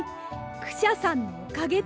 クシャさんのおかげです。